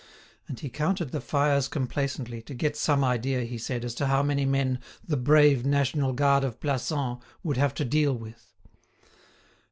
And he counted the fires complacently, to get some idea, he said, as to how many men "the brave national guard of Plassans" would have to deal with.